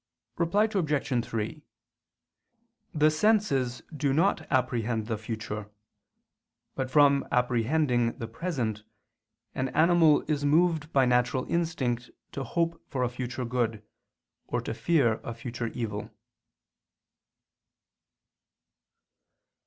Reply Obj. 3: The senses do not apprehend the future: but from apprehending the present, an animal is moved by natural instinct to hope for a future good, or to fear a future evil.